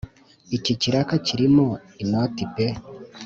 Iki kiraka kirimo inoti pe